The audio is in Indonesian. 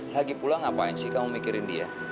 lagi pulang ngapain sih kamu mikirin dia